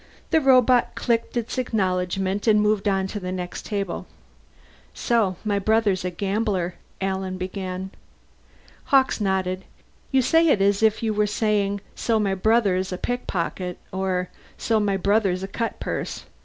The robot clicked its acknowledgement and moved on to the next table. "So my brother's a gambler," Alan began. Hawkes nodded. "You say it as if you were saying, so my brother's a pickpocket, or so my brother's a cutpurse.